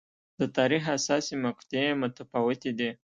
د تاریخ حساسې مقطعې متفاوتې دي.